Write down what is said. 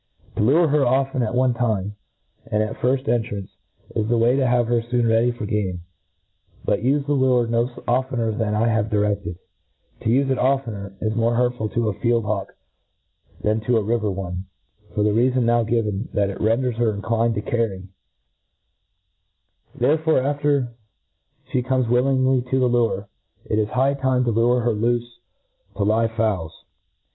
To lure her often at one time, and at her firft entrance, is the way to have her foon ready for game ; but ufe the lure' no oftener than 1 have dircfted* To ufe it oftener, is more hurtful to a ficld ha^vk than to a river one, for the reafon now given, that it renders her inclined to carry* There i&4 ATKiATI^t6f ^Therefore, after flic comes willingly to the Iiire^ It is high time to lure her loofe to live fowls